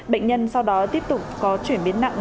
bệnh nhân sau đó tiếp tục có chuyển biến nặng